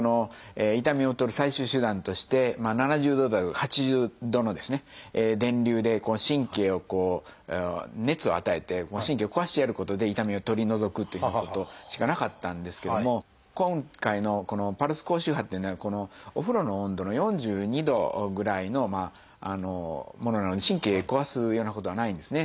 痛みを取る最終手段として７０度台とか８０度の電流で神経を熱を与えて神経を壊してやることで痛みを取り除くっていうようなことしかなかったんですけども今回のこのパルス高周波っていうのはお風呂の温度の４２度ぐらいのものなので神経壊すようなことはないんですね。